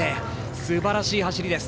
すばらしい走りです。